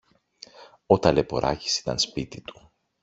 Ο Ταλαιπωράκης ήταν σπίτι του.